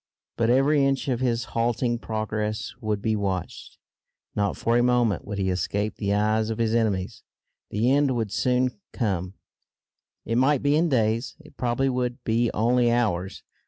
But every inch of his halting progress would be watched. Not for a moment would he escape the eyes of his enemies. The end would soon come; it might be in days; it probably would be only hours.